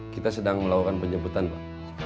kita sedang melakukan penjemputan pak